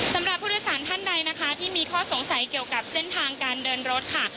สำหรับผู้โดยสารท่านใดนะคะที่มีข้อสงสัยเกี่ยวกับเส้นทางการเดินรถค่ะ